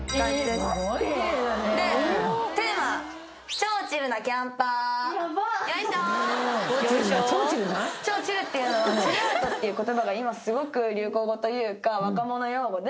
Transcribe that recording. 超チルっていうのはチルアウトっていう言葉が今すごく流行語というか若者用語で。